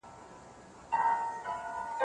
پاس یې کړکۍ ده پکښي دوې خړي هینداري ښکاري